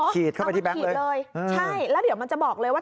จริงเหรอเอาไปที่แบงค์เลยใช่แล้วเดี๋ยวมันจะบอกเลยว่า